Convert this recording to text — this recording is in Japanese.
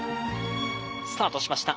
スタートしました。